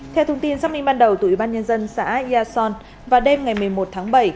theo thông tin xác minh ban đầu từ ủy ban nhân dân xã yà son vào đêm ngày một mươi một tháng bảy